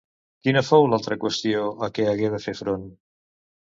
Quina fou l'altra qüestió a què hagué de fer front?